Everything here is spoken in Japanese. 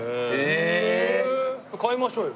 買いましょうよ